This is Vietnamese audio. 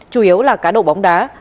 chủ yếu là cá đổ bóng đá